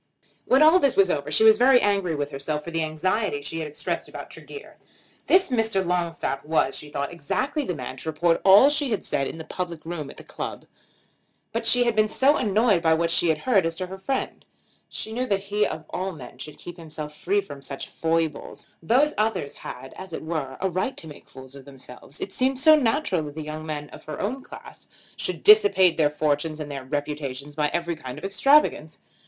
When all this was over she was very angry with herself for the anxiety she had expressed about Tregear. This Mr. Longstaff was, she thought, exactly the man to report all she had said in the public room at the club. But she had been annoyed by what she had heard as to her friend. She knew that he of all men should keep himself free from such follies. Those others had, as it were, a right to make fools of themselves. It had seemed so natural that the young men of her own class should dissipate their fortunes and their reputations by every kind of extravagance!